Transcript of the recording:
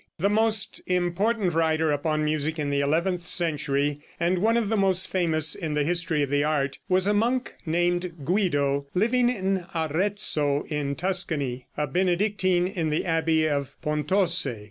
The most important writer upon music in the eleventh century, and one of the most famous in the history of the art, was a monk named Guido, living at Arezzo, in Tuscany, a Benedictine in the abbey of Pontose.